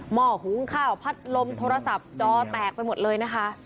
ห้อหุงข้าวพัดลมโทรศัพท์จอแตกไปหมดเลยนะคะ